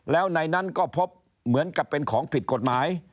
แล้วในนั้นก็พบเหมือนกับเป็นของผิดกฎหมาย